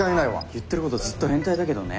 言ってることずっと変態だけどね。